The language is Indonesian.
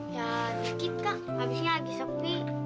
ya dikit kak habisnya lagi sepi